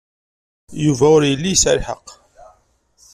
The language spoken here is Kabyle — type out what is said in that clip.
Yuba ur yelli yesɛa lḥeqq.